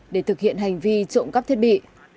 để thực hiện hành vi trộm cắp thiết bị